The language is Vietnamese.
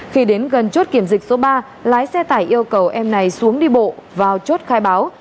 khi đến gần chốt kiểm dịch số ba lái xe tải yêu cầu em này xuống đi bộ vào chốt khai báo